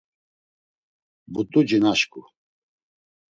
p̌ut̆uci naşǩu.